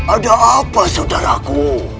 ada apa saudaraku